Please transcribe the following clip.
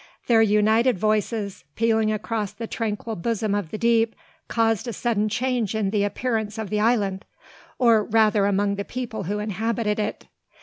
Their united voices, pealing across the tranquil bosom of the deep, caused a sudden change in the appearance of the island; or rather among the people who inhabited it.